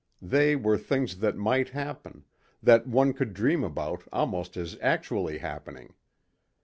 They were things that might happen, that one could dream about almost as actually happening.